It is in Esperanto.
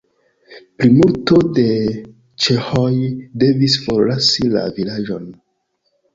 Plimulto de ĉeĥoj devis forlasi la vilaĝon.